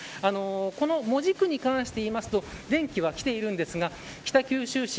この門司区に関していうと電気は来ているんですが北九州市